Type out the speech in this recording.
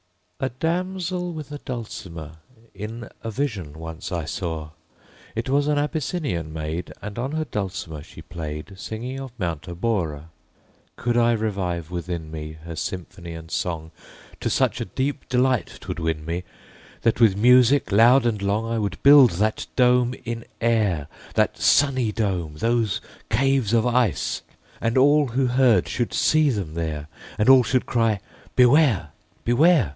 A damsel with a dulcimer In a vision once I saw: It was an Abyssinian maid, And on her dulcimer she played, Singing of Mount Abora. Could I revive within me Her symphony and song, To such a deep delight 'twould win me, That with music loud and long, I would build that dome in air, That sunny dome! those caves of ice! And all who heard should see them there, And all should cry, Beware! Beware!